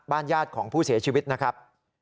ญาติของผู้เสียชีวิตนะครับ